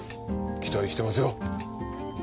期待してますよ